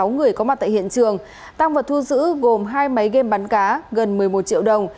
sáu người có mặt tại hiện trường tăng vật thu giữ gồm hai máy game bắn cá gần một mươi một triệu đồng